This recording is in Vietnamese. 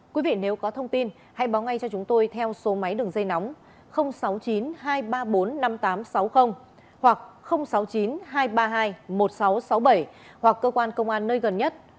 quý vị nếu có thông tin hãy báo ngay cho chúng tôi theo số máy đường dây nóng sáu mươi chín hai trăm ba mươi bốn năm nghìn tám trăm sáu mươi hoặc sáu mươi chín hai trăm ba mươi hai một nghìn sáu trăm sáu mươi bảy hoặc cơ quan công an nơi gần nhất